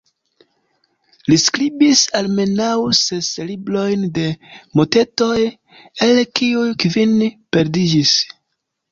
Li skribis almenaŭ ses librojn de motetoj, el kiuj kvin perdiĝis.